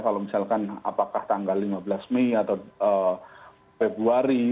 kalau misalkan apakah tanggal lima belas mei atau februari